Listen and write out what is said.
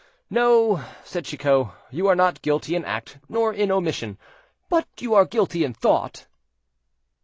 "No," said Chicot, "you are not guilty in act, nor in omission, but you are guilty in thought."